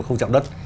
không chạm đất